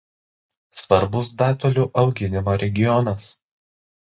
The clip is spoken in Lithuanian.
Svarbus datulių auginimo regionas.